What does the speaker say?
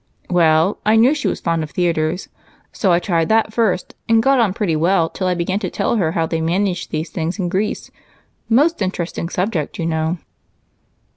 "Well, I knew she was fond of theaters, so I tried that first and got on pretty well till I began to tell her how they managed those things in Greece. Most interesting subject, you know?"